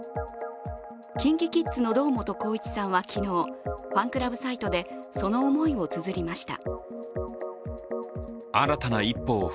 ＫｉｎＫｉＫｉｄｓの堂本光一さんは昨日ファンクラブサイトでその思いをつづりました